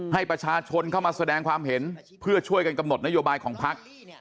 ให้ประชาชนเข้ามาแสดงความเห็นเพื่อช่วยกันกำหนดนโยบายของพัก